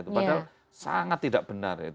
padahal sangat tidak benar